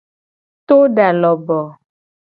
To da loboo.